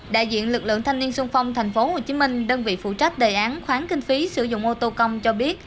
đại diện lực lượng thanh niên sung phong tp hcm đơn vị phụ trách đề án khoán kinh phí sử dụng ô tô công cho biết